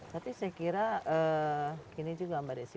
tapi saya kira gini juga mbak desi